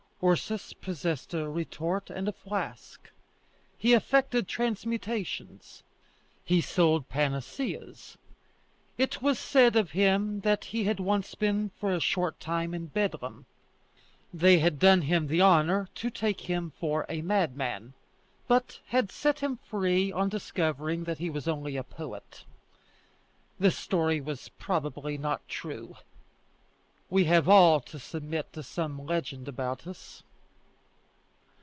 Ursus possessed a retort and a flask; he effected transmutations; he sold panaceas. It was said of him that he had once been for a short time in Bedlam; they had done him the honour to take him for a madman, but had set him free on discovering that he was only a poet. This story was probably not true; we have all to submit to some such legend about us.